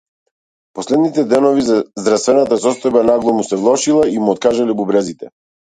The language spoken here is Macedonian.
Последните денови здравствената состојба нагло му се влошила и му откажале бубрезите.